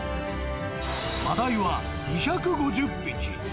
マダイは２５０匹。